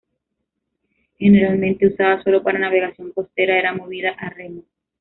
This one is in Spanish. Generalmente usada solo para navegación costera, era movida a remo.